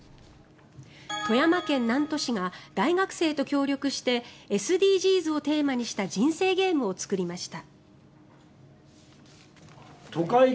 富山県南砺市が大学生と協力してＳＤＧｓをテーマにした人生ゲームを作りました。